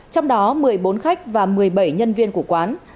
trong đó một mươi bốn khách và một mươi bảy nhân viên của quán